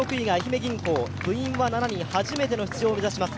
部員は７人、初めての出場を目指します。